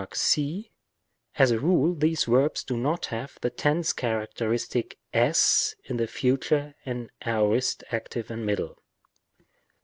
=e Rem. c. As a rule, these verbs do not have the tense characteristic (c) in the future and aorist active and middle.